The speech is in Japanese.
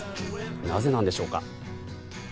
なぜなんでしょうか。